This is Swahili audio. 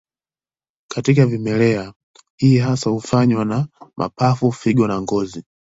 Katika vimelea, hii hasa hufanywa na mapafu, figo na ngozi.